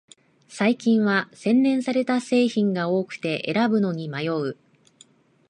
最近は洗練された製品が多くて選ぶのに迷う